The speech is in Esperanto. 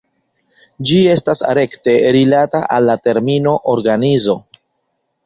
Ĝi estas rekte rilata al la termino "organizo".